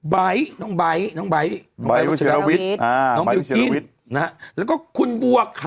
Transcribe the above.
ใบ๊ก